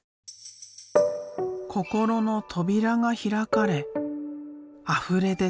心の扉が開かれあふれ出た。